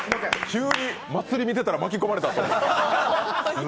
急に祭り見てたら巻き込まれた。